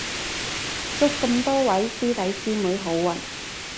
祝咁多位師弟師妹好運